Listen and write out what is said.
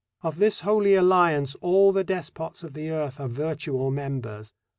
Of this holy alliance all the despots of the earth are virtual members.